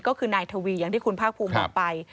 ก็คือนายทวีอย่างที่คุณภาคภูมิบอกไป